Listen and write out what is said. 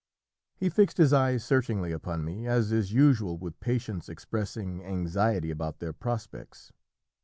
He fixed his eyes searchingly upon me, as is usual with patients expressing anxiety about their prospects.